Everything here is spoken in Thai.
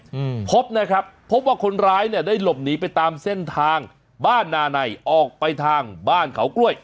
อืมพบนะครับพบว่าคนร้ายเนี้ยได้หลบหนีไปตามเส้นทางบ้านนาในออกไปทางบ้านเขากล้วย